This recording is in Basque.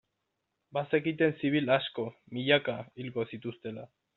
Bazekiten zibil asko, milaka, hilko zituztela.